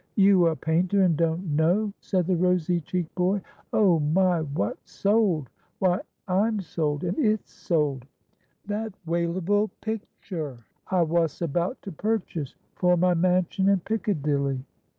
"You a painter, and don't know?" said the rosy cheeked boy. "Oh, my! Wot's sold? Why, I'm sold, and it's sold. That walable picter I wos about to purchase for my mansion in Piccadilly."